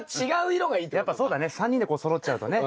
やっぱそうだね３人でこうそろっちゃうとね。